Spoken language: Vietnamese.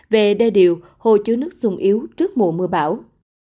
về đê điều hồ chứa nước sung yếu trước mùa mưa bão